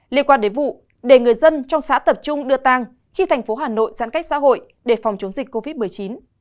liên quan đến vụ để người dân trong xã tập trung đưa tang khi thành phố hà nội giãn cách xã hội để phòng chống dịch covid một mươi chín